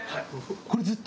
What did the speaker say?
これずっと？